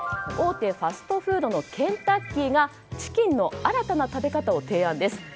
大手ファストフードのケンタッキーがチキンの新たな食べ方を提案です。